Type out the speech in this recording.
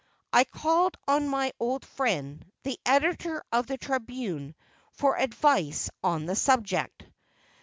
I called on my old friend, the editor of the Tribune, for advice on the subject.